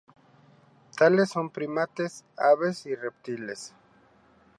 Tales son primates, aves y reptiles.